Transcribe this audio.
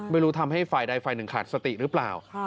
ไม่รู้ทำให้ฝ่ายใดฝ่ายหนึ่งขาดสติหรือเปล่า